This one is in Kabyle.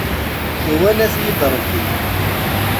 Iwala-ten-id Rebbi.